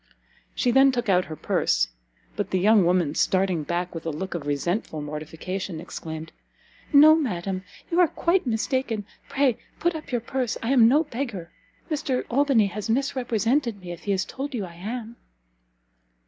She then took out her purse; but the young woman, starting back with a look of resentful mortification, exclaimed, "No, madam! you are quite mistaken; pray put up your purse; I am no beggar! Mr Albany has misrepresented me, if he has told you I am."